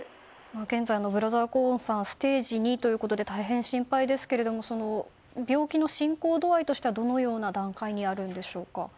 現在、ブラザー・コーンさんはステージ２ということで大変心配ですけれども病気の進行度合いとしてはどのような段階にあるのでしょうか。